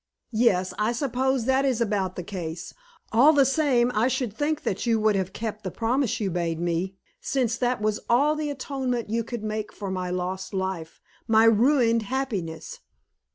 Yes, I suppose that is about the case. All the same, I should think that you would have kept the promise you made me, since that was all the atonement you could make for my lost life my ruined happiness.